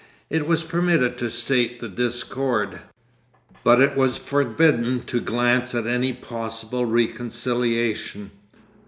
It was permitted to state the discord, but it was forbidden to glance at any possible reconciliation.